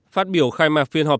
phát biểu khai mạc phiên họp